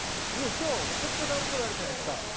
今日めちゃくちゃ段ボールあるじゃないですか！